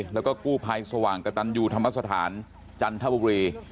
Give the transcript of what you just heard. แล้วก็กู้ภัยสว่างกระตันยูธรรมสถานจันทบุรี